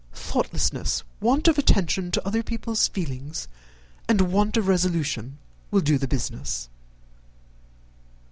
Thoughtlessness, want of attention to other people's feelings, and want of resolution, will do the business."